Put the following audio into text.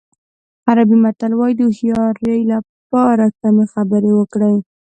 عربي متل وایي د هوښیارۍ لپاره کمې خبرې وکړئ.